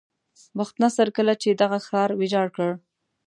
بخت نصر کله چې دغه ښار ویجاړ کړ.